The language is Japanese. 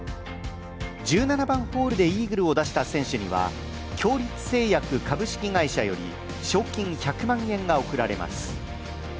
１７番ホールでイーグルを出した選手には共立製薬株式会社より賞金１００万円が贈られます。